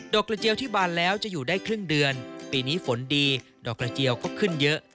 กระเจียวที่บานแล้วจะอยู่ได้ครึ่งเดือนปีนี้ฝนดีดอกกระเจียวก็ขึ้นเยอะ